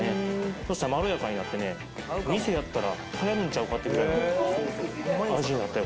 そしたらまろやかになってねんちゃうかってぐらいの味になったよ